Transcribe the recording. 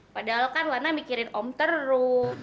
padahal kan lana mikirin om terro